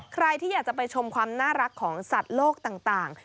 ใครที่อยากจะไปชมความน่ารักของสัตว์โลกต่าง